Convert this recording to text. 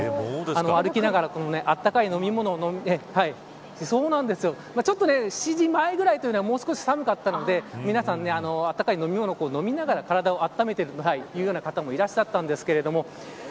歩きながらあったかい飲み物を７時前ではもう少し寒かったので皆さん温かい飲み物を飲みながら体を温めている方もいらっしゃったんですけど。